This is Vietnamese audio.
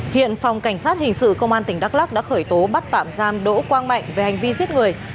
hiện phòng cảnh sát hình sự công an tỉnh đắk lắc đã khởi tố bắt tạm giam đỗ quang mạnh về hành vi giết người